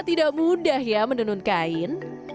tidak mudah ya menenun kain